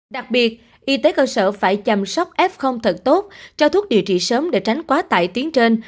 đặc biệt y tế cơ sở phải chăm sóc f thật tốt cho thuốc điều trị sớm để tránh quá tải tuyến trên